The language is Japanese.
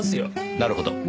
なるほど。